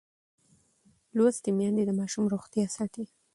لوستې میندې د ماشوم روغتیا ساتي.